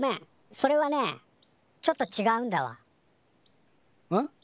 それはねちょっとちがうんだわ。